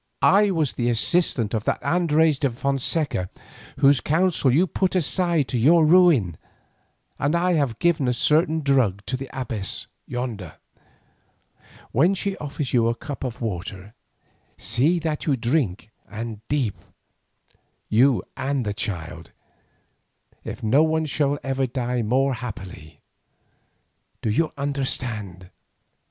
"I was the assistant of that Andres de Fonseca whose counsel you put aside to your ruin, and I have given a certain drug to the abbess yonder. When she offers you the cup of water, see that you drink and deep, you and the child. If so none shall ever die more happily. Do you understand?"